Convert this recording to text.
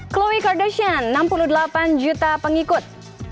chlowi kardashian enam puluh delapan juta pengikut